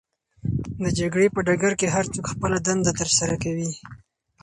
د جګړې په ډګر کې هرڅوک خپله دنده ترسره کوي.